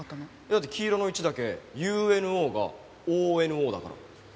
だって黄色の１だけ「ＵＮＯ」が「ＯＮＯ」だから。